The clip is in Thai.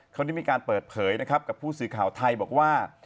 เขาได้มีการเปิดเผยนะครับกับผู้สื่อข่าวไทยบอกว่า